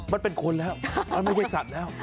มันเป็นคนแล้วมันไม่ใช่สัตว์แล้ว